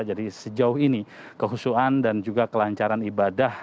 jadi sejauh ini kehusuan dan juga kelancaran ibadah